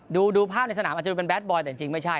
ดูภาพในสนามอาจจะดูเป็นแดดบอยแต่จริงไม่ใช่